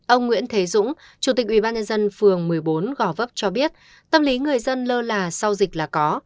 ông nguyễn thế dũng chủ tịch ubnd phường một mươi bốn gò vấp cho biết tâm lý người dân lơ là sau dịch là có